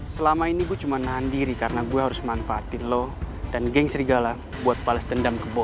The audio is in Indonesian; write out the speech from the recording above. selama ini gue cuma nahan diri karena gue harus manfaatin lo dan geng serigala buat pales dendam kebo